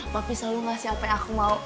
tapi selalu ngasih apa yang aku mau